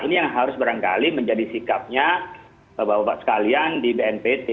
ini yang harus barangkali menjadi sikapnya bapak bapak sekalian di bnpt